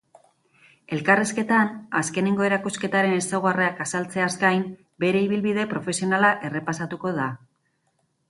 Elkarrizketan, azkenengo erakusketaren ezaugarriak azaltzeaz gain, bere ibilbide profesionala errepasatuko da.